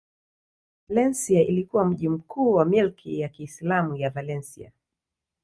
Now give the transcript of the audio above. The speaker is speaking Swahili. Valencia ilikuwa mji mkuu wa milki ya Kiislamu ya Valencia.